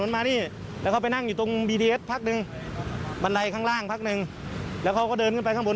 บันไลข้างล่างพักหนึ่งแล้วเขาก็เดินขึ้นไปข้างบน